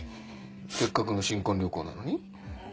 せっかくの新婚旅行なのに？